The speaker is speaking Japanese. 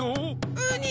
ウニ！